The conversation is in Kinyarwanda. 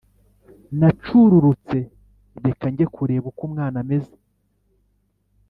nacururutse reka nge kureba uko umwana ameze